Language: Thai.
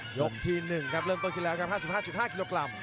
หลบทีหนึ่งครับเริ่มตอนกี่แล้วครับ๕๕๕กิโลกรัม